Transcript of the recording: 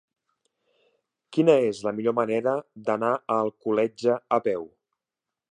Quina és la millor manera d'anar a Alcoletge a peu?